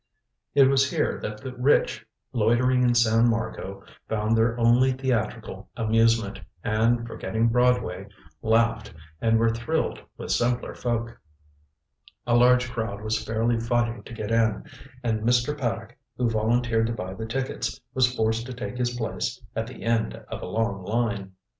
It was here that the rich loitering in San Marco found their only theatrical amusement, and forgetting Broadway, laughed and were thrilled with simpler folk. A large crowd was fairly fighting to get in and Mr. Paddock, who volunteered to buy the tickets, was forced to take his place at the end of a long line.